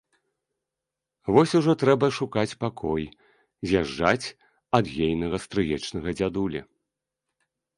Вось ужо трэба шукаць пакой, з'язджаць ад ейнага стрыечнага дзядулі.